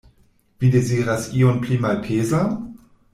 Vi deziras ion pli malpezan?